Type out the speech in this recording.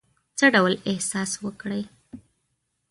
څه ډول احساس وکړی.